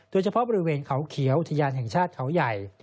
โดยเฉพาะบริเวณเขาเขียวอุทยานแห่งชาติเขาใหญ่